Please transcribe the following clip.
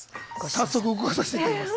早速動かさせていただきます。